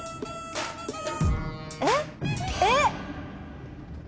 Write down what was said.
えっえっ？